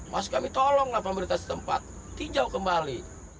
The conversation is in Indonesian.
masuk kami tolonglah pemerintah setempat dijawab kembali